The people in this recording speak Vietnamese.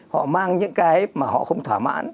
họ mang những cái mà họ không thỏa mãn